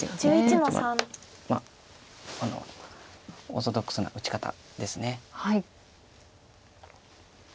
オーソドックスな打ち方です。